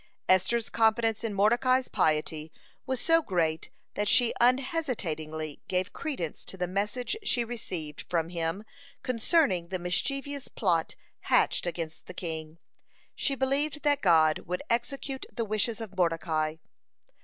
Esther's confidence in Mordecai's piety was so great that she unhesitatingly gave credence to the message she received from him concerning the mischievous plot hatched against the king. She believed that God would execute the wishes of Mordecai.